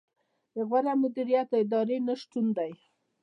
د غوره مدیریت او ادارې نه شتون دی.